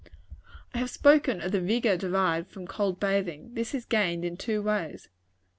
I have spoken of the vigor derived from cold bathing. This is gained in two ways.